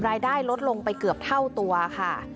รายได้ลดลงไปเกือบเท่าตัวค่ะ